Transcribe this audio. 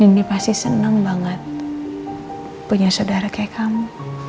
nindik pasti seneng banget punya saudara kaya kamu